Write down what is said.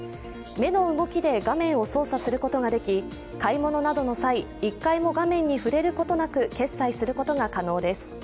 目の動きで画面を操作することができ、買い物などの際、１回も画面に触れることなく決済することが可能です。